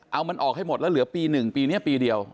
เอามันออกให้หมดแล้วเหลือปี๑ปีนี้ปีเดียว